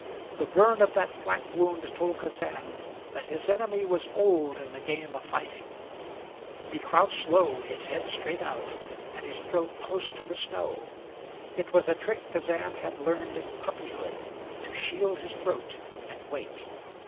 The burn of that flank wound told Kazan that his enemy was old in the game of fighting. He crouched low, his head straight out, and his throat close to the snow. It was a trick Kazan had learned in puppyhood to shield his throat, and wait.